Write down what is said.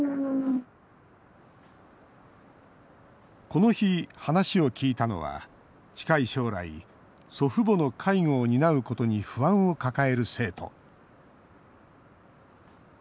この日、話を聞いたのは近い将来祖父母の介護を担うことに不安を抱える生徒。